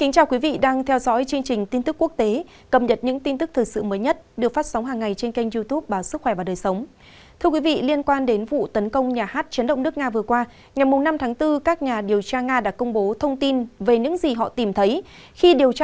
các bạn hãy đăng ký kênh để ủng hộ kênh của chúng mình nhé